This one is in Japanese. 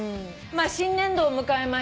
新年度を迎えまして